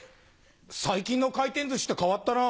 最近の回転寿司って変わったなぁ。